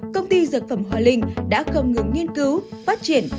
công ty dược phẩm hòa linh đã không ngừng nghiên cứu phát triển